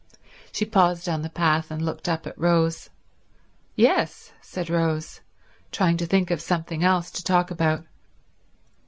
She paused on the path and looked up at Rose. "Yes," said Rose, trying to think of something else to talk about.